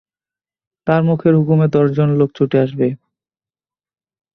তার মুখের হুকুমে দশজন লোক ছুটে আসবে।